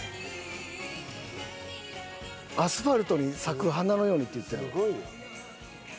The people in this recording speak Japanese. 「アスファルトに咲く花のように」って言ってる。